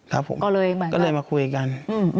ครับผมก็เลยมาคุยกัน